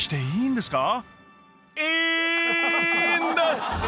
いいんです！